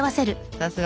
さすが。